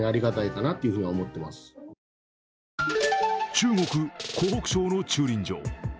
中国・湖北省の駐輪場。